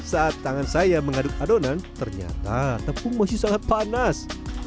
saat tangan saya mengaduk adonan ternyata tepung masih sangat panas